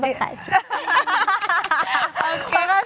terima kasih ya temen temen